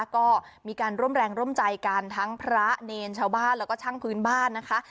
ก็มีการร่วมแรงร่วมใจกันทั้งพระเนรชาวบ้านแล้วก็ช่างพื้นบ้านนะคะ